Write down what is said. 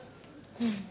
うん。